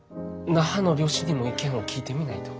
那覇の両親にも意見を聞いてみないと。